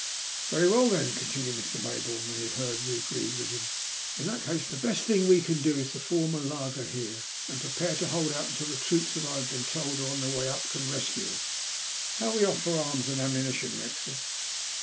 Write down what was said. " Very well then," continued Mr. Mayboume, when he had heard that we agreed with him, •* in that case A TEBBIBLE SURPRISE. 367 the best thing we can do is to form a laager here, and prepare to hold out until the troops that I have been told are on their way up can rescue ns. How are we off for arms and ammunitioni Wrexford?"